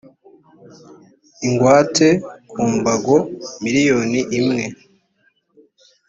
ingwate ku mbago miliyoni imwe